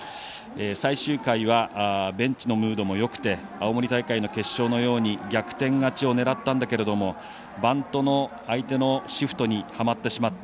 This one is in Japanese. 最終回はベンチのムードもよくて青森大会の決勝のように逆転勝ちを狙ったんだけれどもバントの相手のシフトにはまってしまった。